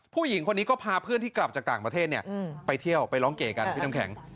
ผู้หญิงคนนี้ก็พาเพื่อนที่กลับจากต่างประเทศไปเที่ยวไปร้องเก๋กันพี่น้ำแข็ง